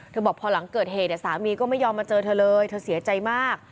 บอกพอหลังเกิดเหตุสามีก็ไม่ยอมมาเจอเธอเลยเธอเสียใจมาก